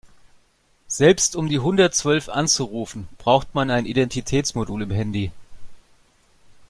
Selbst um die hundertzwölf anzurufen, braucht man ein Identitätsmodul im Handy.